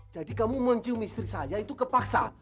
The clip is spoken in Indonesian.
jadi kamu mencium istri saya itu kepaksa